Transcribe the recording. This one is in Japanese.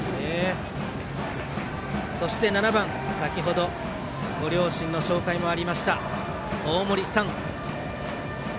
そして７番、先ほどご両親の紹介もありました大森燦。